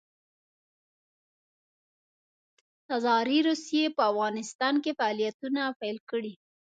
تزاري روسیې په افغانستان کې فعالیتونه پیل کړي.